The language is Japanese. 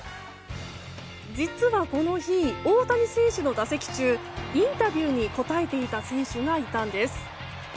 実は、この日大谷選手の打席中インタビューに答えていた選手がいたんです。